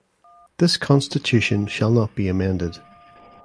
This constitution shall not be amended.